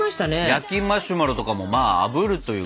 焼きマシュマロとかもまああぶるというか。